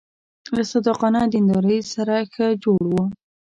له صادقانه دیندارۍ سره ښه جوړ و.